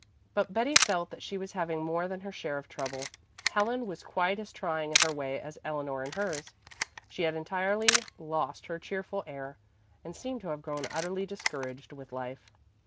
But Betty felt that she was having more than her share of trouble; Helen was quite as trying in her way as Eleanor in hers. She had entirely lost her cheerful air and seemed to have grown utterly discouraged with life.